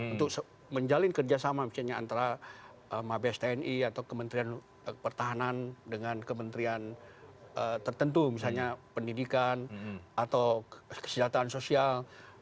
untuk menjalin kerjasama misalnya antara mabes tni atau kementerian pertahanan dengan kementerian tertentu misalnya pendidikan atau kesejahteraan sosial